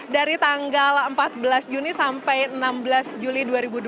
dari tanggal empat belas juni sampai enam belas juli dua ribu dua puluh